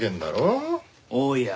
おや。